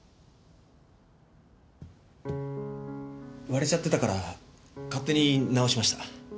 割れちゃってたから勝手に直しました。